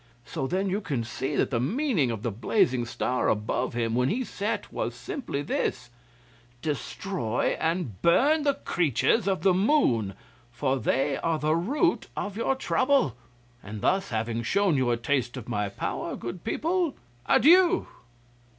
So, then, you can see that the meaning of the blazing star above him when he set was simply this: "Destroy and burn the creatures Of the moon, for they are the root of your trouble. And thus, having shown you a taste of my power, good people, adieu."